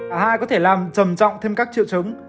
a hai có thể làm trầm trọng thêm các triệu trứng